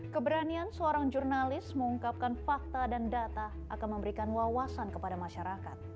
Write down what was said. keberanian seorang jurnalis mengungkapkan fakta dan data akan memberikan wawasan kepada masyarakat